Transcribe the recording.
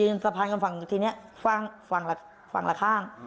ยืนสะพานกันฝั่งหลักข้าง